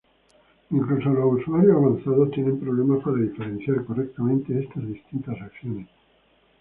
Incluso los usuarios avanzados tienen problemas para diferenciar correctamente estas distintas acciones.